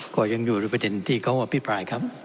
ก็อยู่เรียนรุ้มพีชปลายครับ